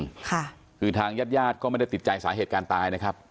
ค่ะคือทางญาติญาติก็ไม่ได้ติดใจสาเหตุการณ์ตายนะครับ